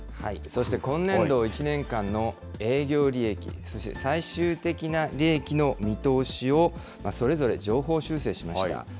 そして今年度１年間の営業利益、そして最終的な利益の見通しを、それぞれ、上方修正しました。